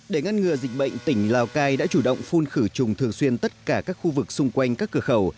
để ngăn ngừa dịch bệnh tỉnh lào cai đã chủ động phun khử trùng thường xuyên tất cả các khu vực xung quanh các cửa khẩu